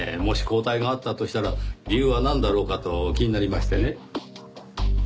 もし交代があったとしたら理由はなんだろうかと気になりましてね。